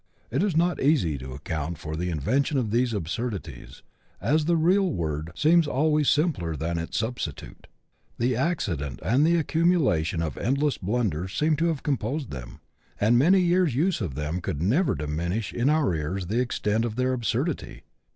It is not easy to account for the invention of these absurdities, as the real word seems always simpler than its substitute. Acci dent and the accumulation of endless blunders seem to have composed them, and many years' use of them could never diminish in our ears the extent of their absurdity.